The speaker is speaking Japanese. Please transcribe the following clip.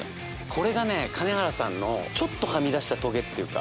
これがね、金原さんのちょっとはみ出したトゲというか。